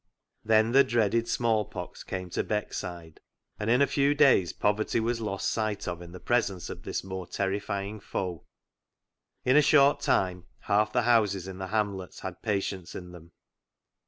Then the dreaded smallpox came to Beck side, and in a few days poverty was lost sight of in the presence of this more terrifying foe. In a short time half the houses in the hamlet had patients in them.